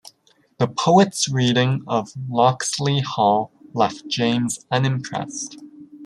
The poet's reading of "Locksley Hall" left James unimpressed.